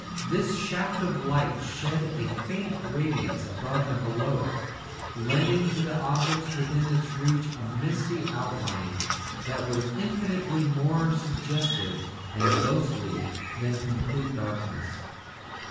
This shaft of light shed a faint radiance above and below it, lending to the objects within its reach a misty outline that was infinitely more suggestive and ghostly than complete darkness.